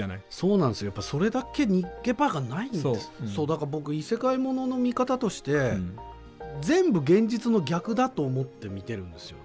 だから僕異世界モノの見方として全部現実の逆だと思って見てるんですよね。